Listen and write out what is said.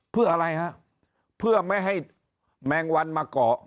เพื่ออะไรฮะเพื่อไม่ให้แมงวันมาเกาะ